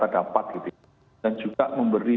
dapat dan juga memberi